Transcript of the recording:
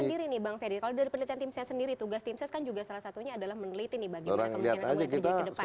kalau dari penelitian tim ses sendiri tugas tim ses kan juga salah satunya adalah meneliti bagaimana kemungkinan kamu meneliti ke depan